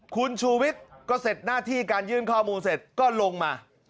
คุณชูวิทย์ก็เสร็จหน้าที่การยื่นข้อมูลเสร็จก็ลงมา